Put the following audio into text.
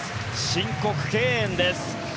申告敬遠です。